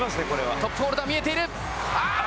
トップホルダー、見えている。